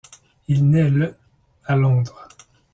Il naît le à Londres.